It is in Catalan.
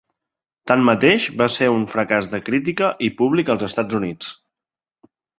Tanmateix, va ser un fracàs de crítica i públic als Estats Units.